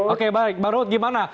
oke baik bang ruhut gimana